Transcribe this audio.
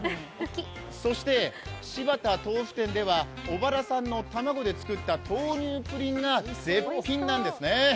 そして柴田豆腐店では小原産の卵で作った豆乳プリンが絶品なんですね。